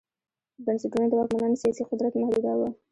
بنسټونه د واکمنانو سیاسي قدرت محدوداوه